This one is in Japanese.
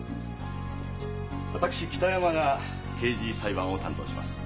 私北山が刑事裁判を担当します。